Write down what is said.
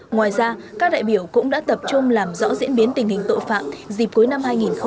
ngoài ra các đại biểu cũng đã tập trung làm rõ diễn biến tình hình tội phạm dịp cuối năm hai nghìn hai mươi ba